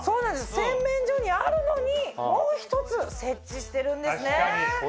洗面所にあるのにもう１つ設置してるんですね。